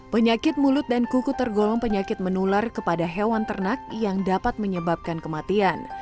penyakit mulut dan kuku tergolong penyakit menular kepada hewan ternak yang dapat menyebabkan kematian